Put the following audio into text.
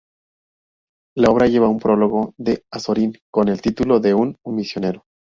La obra lleva un prólogo de Azorín con el título de "Un misionero".